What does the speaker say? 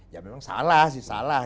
ya memang salah sih salah